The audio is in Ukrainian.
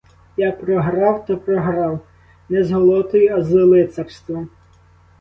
Як програв, то програв не з голотою, а з лицарством.